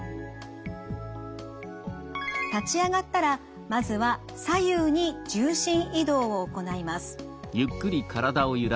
立ち上がったらまずは左右に重心移動を行います。